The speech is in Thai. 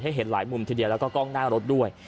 เห็นหลายมุมทีเดียวแล้วก็กล้องหน้ารถด้วย